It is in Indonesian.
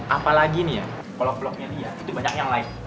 apalagi nih ya blok bloknya dia itu banyak yang lain